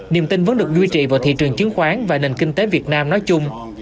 niềm tin vẫn được duy trì vào thị trường chứng khoán và nền kinh tế việt nam nói chung